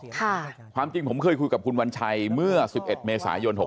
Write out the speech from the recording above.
ความจริงผมเคยคุยกับคุณวัญชัยเมื่อ๑๑เมษายน๖๖